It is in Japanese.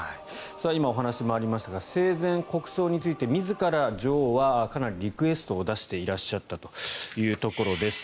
今お話にもありましたが生前、国葬について自ら女王はかなりリクエストを出していらっしゃったというところです。